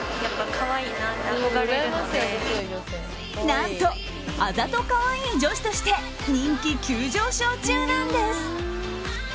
何とあざとカワイイ女子として人気急上昇中なんです。